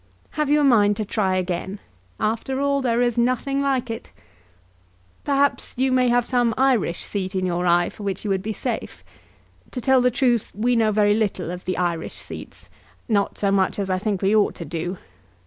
Have you a mind to try again? After all, there is nothing like it. Perhaps you may have some Irish seat in your eye for which you would be safe. To tell the truth we know very little of the Irish seats not so much as, I think, we ought to do.